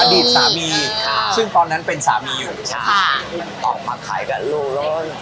อาร์ดีสามีค่ะซึ่งตอนนั้นเป็นสามีอยู่ค่ะออกมาไขกันรู้เลิน